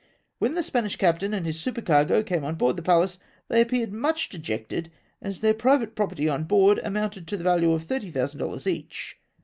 When the Spanish captain and his supercargo came on board the Pallas, they appeared much dejected, as their private property on board amounted to the value of 30,000 dollars each.